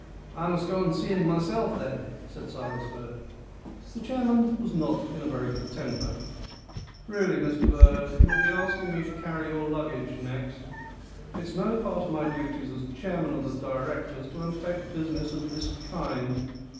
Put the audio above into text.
"I must go and see him myself then," said Cyrus Verd. The chairman was not in a very good temper. "Really, Mr Verd, you'll be asking me to carry your luggage next. It's no part of my duties as chairman of the directors to undertake business of this kind.